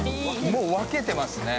もう分けてますね